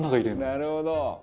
「なるほど」